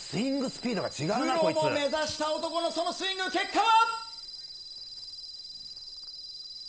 プロを目指した男のそのスイング、結果は？